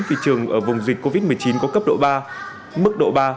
thị trường ở vùng dịch covid một mươi chín có cấp độ ba mức độ ba